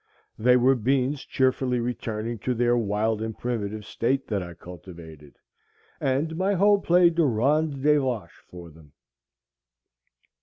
They were beans cheerfully returning to their wild and primitive state that I cultivated, and my hoe played the Ranz des Vaches for them.